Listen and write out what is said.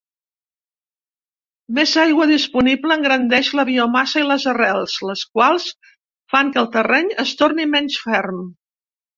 Més aigua disponible engrandeix la biomassa i les arrels, les quals fan que el terreny es torni menys ferm.